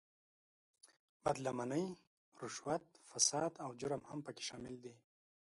بد لمنۍ، رشوت، فساد او جرم هم په کې شامل دي.